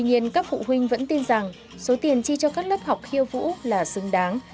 tuy nhiên các phụ huynh vẫn tin rằng số tiền chi cho các lớp học khiêu vũ là xứng đáng